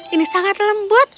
ini sangat lembut